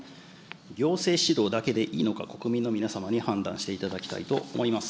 行政指導だけでいいのか、国民の皆様に判断していただきたいと思います。